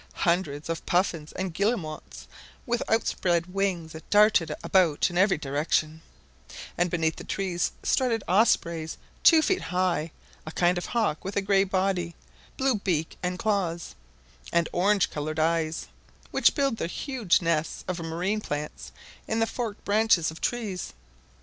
Hundreds of puffins and guillemots with outspread wings darted about in every direction, and beneath the trees strutted ospreys two feet high a kind of hawk with a grey body, blue beak and claws, and orange coloured eyes, which build their huge nests of marine plants in the forked branches of trees.